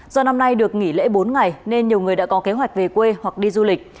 do năm nay được nghỉ lễ bốn ngày nên nhiều người đã có kế hoạch về quê hoặc đi du lịch